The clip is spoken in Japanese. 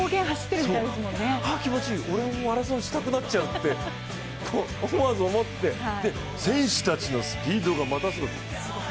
あ気持ちいい、俺もマラソンしたくなっちゃうって思わず思って、選手たちのスピードがまたすごい。